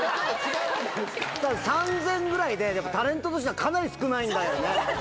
３０００ぐらいでタレントとしてはかなり少ないんだよね。